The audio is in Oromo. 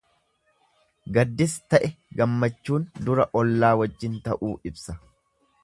Gaddis ta'e gammachuun dura ollaa wajjin ta'uu ibsa.